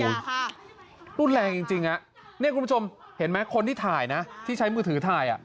ค่ะรุนแรงจริงจริงฮะเนี่ยคุณผู้ชมเห็นไหมคนที่ถ่ายนะที่ใช้มือถือถ่ายอ่ะ